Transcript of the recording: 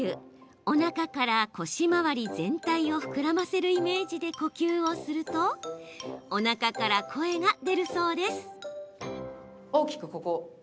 おなかから腰回り全体を膨らませるイメージで呼吸をするとおなかから声が出るそうです。